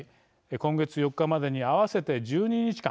今月４日までに合わせて１２日間